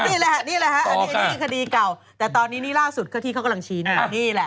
นี่แหละอันนี้คดีเก่าแต่ตอนนี้นี่ล่าสุดที่เขากำลังชี้นี่แหละ